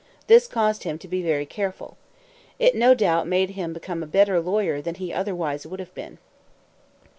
This caused him to be very careful. It no doubt made him become a better lawyer than he otherwise would have been.